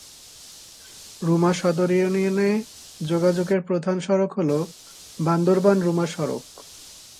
রুমা সদর ইউনিয়নে যোগাযোগের প্রধান সড়ক হল বান্দরবান-রুমা সড়ক।